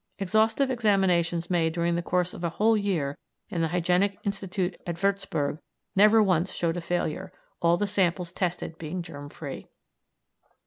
Exhaustive examinations made during the course of a whole year in the Hygienic Institute at Würzburg never once showed a failure, all the samples tested being germ free.